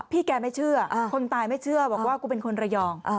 แกไม่เชื่อคนตายไม่เชื่อบอกว่ากูเป็นคนระยอง